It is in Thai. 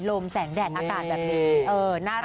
ทำไมอะ